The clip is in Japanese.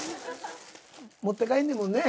持って帰んねんもんね。